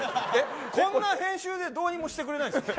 こんな編集でどうにもしてくれないんですか。